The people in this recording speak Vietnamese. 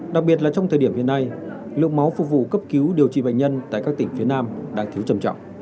đặc biệt là trong thời điểm hiện nay lượng máu phục vụ cấp cứu điều trị bệnh nhân tại các tỉnh phía nam đang thiếu trầm trọng